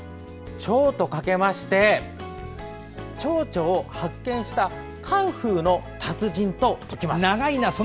チョウをかけてチョウチョを発見したカンフーの達人とときます。